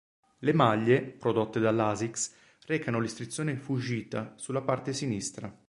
Le maglie, prodotte dall'Asics, recano l'iscrizione "Fujita" sulla parte sinistra.